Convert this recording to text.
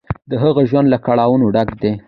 د هغه ژوند له کړاوونو ډک و.